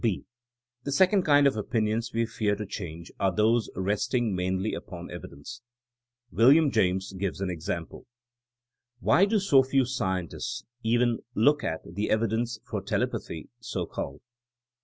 (b) The second kind of opinions we fear to change are those resting mainly upon evidence. William James gives an example : *'Why do so few * scientists* even look at the evidence for telepathy, so called?